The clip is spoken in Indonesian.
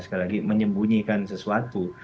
sekali lagi menyembunyikan sesuatu